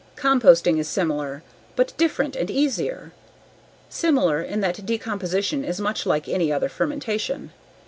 Composting is similar, but different and easier. Similar in that decomposition is much like any other fermentation.